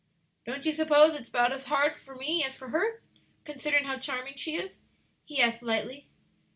"Don't you suppose it's about as hard for me as for her, considering how charming she is?" he asked, lightly.